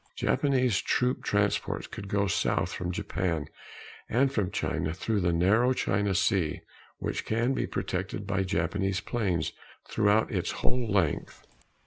Japanese troop transports could go south from Japan and from China through the narrow China Sea, which can be protected by Japanese planes throughout its whole length.